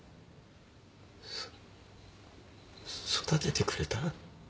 そ育ててくれた？